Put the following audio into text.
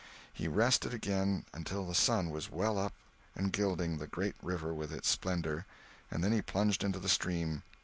He rested again until the sun was well up and gilding the great river with its splendor, and then he plunged into the stream.